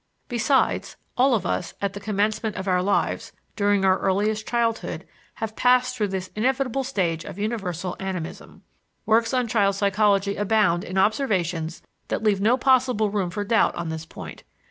Besides, all of us, at the commencement of our lives, during our earliest childhood, have passed through this inevitable stage of universal animism. Works on child psychology abound in observations that leave no possible room for doubt on this point.